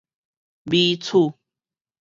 米鼠